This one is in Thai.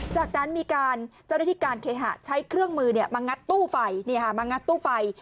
จากนั้นมีเจ้าหน้าที่การเคหาใช้เครื่องมือมางัดตู้ไฟ